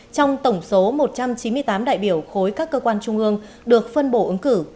trong tổng số một trăm chín mươi tám đại biểu khối các cơ quan trung ương được phân bổ ứng cử